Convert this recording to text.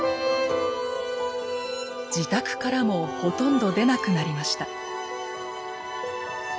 自宅からもほとんど出なくなりました。